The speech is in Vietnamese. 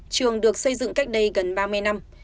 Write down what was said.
trường được xây dựng cách đây gần ba mươi năm